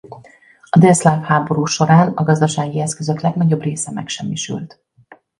A délszláv háború során a gazdasági eszközök legnagyobb része megsemmisült.